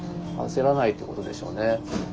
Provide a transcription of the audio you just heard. あせらないっていうことでしょうね。